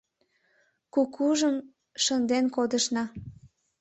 Кукужым шынден кодышна.